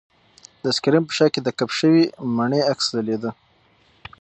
د سکرین په شاه کې د کپ شوې مڼې عکس ځلېده.